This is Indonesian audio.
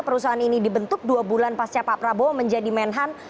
perusahaan ini dibentuk dua bulan pasca pak prabowo menjadi menhan